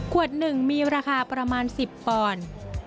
หนึ่งมีราคาประมาณ๑๐ปอนด์